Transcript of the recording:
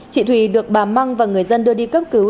chị thùy được bà măng và người dân đưa đi cấp cứu